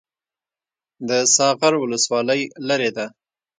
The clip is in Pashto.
د ساغر ولسوالۍ لیرې ده